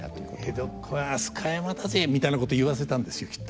「江戸っ子は飛鳥山だぜ」みたいなこと言わせたんですよきっと。